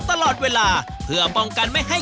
ตลอดเวลาเพื่อป้องกันไม่ให้